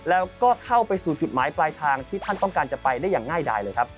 แล้วก็เข้าไปสู่จุดหมายปลายทางที่ท่านต้องการจะไปได้อย่างง่ายดายเลยครับ